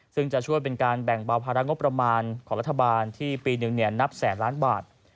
ซึ่งจะช่วยเป็นการแบ่งเบาภาระงบประมาณของรัฐบาลที่ปีหนึ่งนับแสนล้านบาท